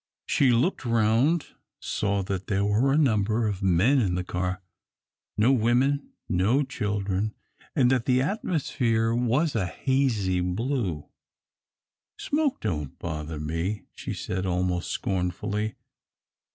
She looked round, saw that there were a number of men in the car no women, no children, and that the atmosphere was a hazy blue. "Smoke don't bother me," she said, almost scornfully.